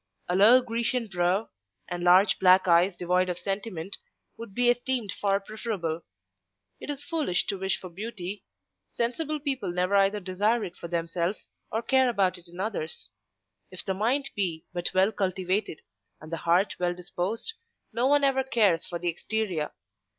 —a low Grecian brow, and large black eyes devoid of sentiment would be esteemed far preferable. It is foolish to wish for beauty. Sensible people never either desire it for themselves or care about it in others. If the mind be but well cultivated, and the heart well disposed, no one ever cares for the exterior.